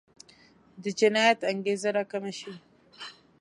د جنایت انګېزه راکمه شي.